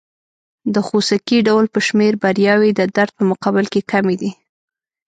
د خوسکي ډول په شمېر بریاوې د درد په مقابل کې کمې دي.